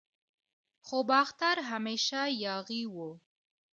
خو باختر همیشه یاغي و